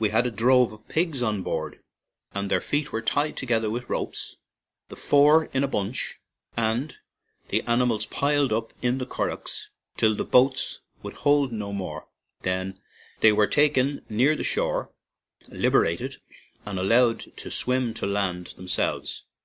We had a drove of pigs on board, and their feet were tied together with ropes, the four in a bunch, and the animals piled up in the curraghs till the boats would hold no more; then they were taken near the shore, liberated, and allowed to swim to land themselves.